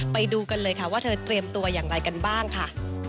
ไปดูกันเลยค่ะว่าเธอเตรียมตัวอย่างไรกันบ้างค่ะ